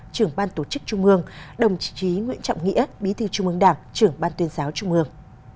trưởng ban tổ chức trung ương đồng chí nguyễn trọng nghĩa bí thư trung ương đảng trưởng ban tuyên giáo trung ương